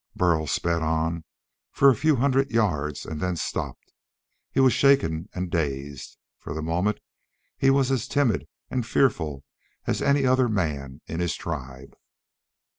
Burl sped on for a few hundred yards and then stopped. He was shaken and dazed. For the moment, he was as timid and fearful as any other man in his tribe.